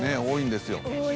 多いんですよ